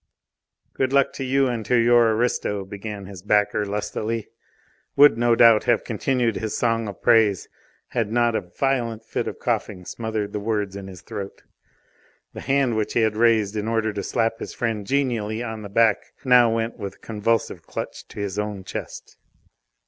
"Good luck to you and to your aristo!" began his backer lustily would, no doubt, have continued his song of praise had not a violent fit of coughing smothered the words in his throat. The hand which he had raised in order to slap his friend genially on the back now went with a convulsive clutch to his own chest.